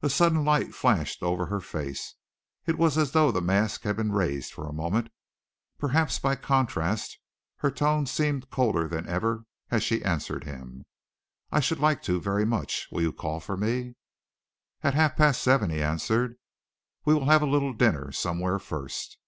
A sudden light flashed over her face. It was as though the mask had been raised for a moment. Perhaps by contrast her tone seemed colder than ever as she answered him. "I should like to very much. Will you call for me?" "At half past seven," he answered. "We will have a little dinner somewhere first."